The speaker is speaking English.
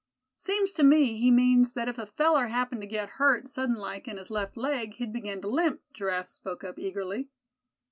"Seems to me he means that if a feller happened to get hurt, sudden like, in his left leg, he'd begin to limp," Giraffe spoke up, eagerly.